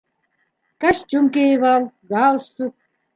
Костюм кейеп ал, галстук.